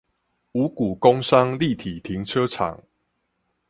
五股工商立體停車場